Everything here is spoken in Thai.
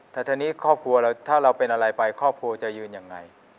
แต่ทีนี้ครอบครัวเราถ้าเราเป็นอะไรไปครอบครัวจะยืนยังไง